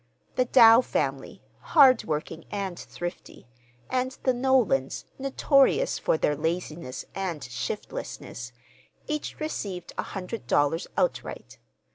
The Dow family, hard working and thrifty, and the Nolans, notorious for their laziness and shiftlessness, each received a hundred dollars outright.